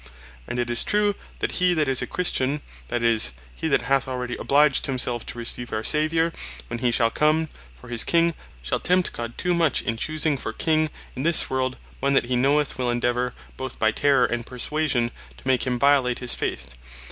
And 'tis true, that he that is a Christian, that is, hee that hath already obliged himself to receive our Saviour when he shall come, for his King, shal tempt God too much in choosing for King in this world, one that hee knoweth will endeavour, both by terrour, and perswasion to make him violate his faith.